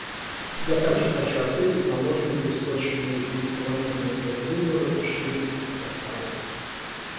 Я также хочу ответить на ложные, беспочвенные и неправомерные утверждения в отношении этих островов.